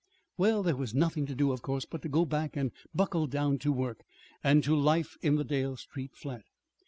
Well, there was nothing to do, of course, but to go back and buckle down to work and to life in the Dale Street flat.